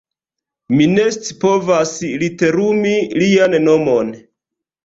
Mi ne scipovas literumi lian nomon.